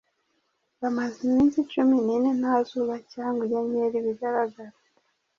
Bamaze iminsi cumi n’ine nta zuba cyangwa inyenyeri bigaragara.